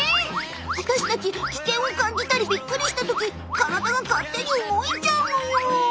私たち危険を感じたりびっくりした時体が勝手に動いちゃうのよ。